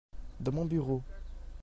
dans mon bureau.